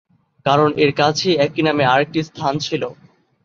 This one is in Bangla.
কারণ এর কাছেই একই নামে আরেকটি স্থান ছিল।